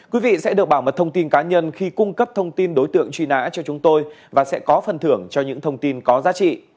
quý vị sẽ được bảo mật thông tin cá nhân khi cung cấp thông tin đối tượng truy nã cho chúng tôi và sẽ có phần thưởng cho những thông tin có giá trị